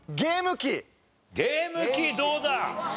ゲーム機どうだ？